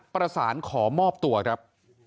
ประสานขอมอบตัวครับ